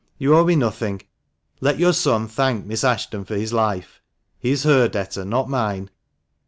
You owe me nothing. Let your son thank Miss Ashton for his life ; he is her debtor, not mine."